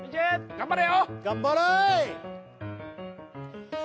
頑張れ！